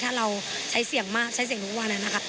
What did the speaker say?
ถ้าเราใช้เสียงมากใช้เสียงทุกวันนั้นนะคะ